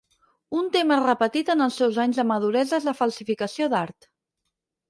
Un tema repetit en els seus anys de maduresa és la falsificació d'art.